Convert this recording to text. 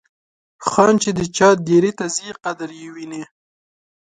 خان چې د چا دیرې ته ځي قدر یې وینه.